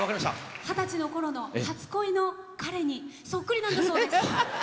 二十歳のころの初恋の彼にそっくりなんだそうです。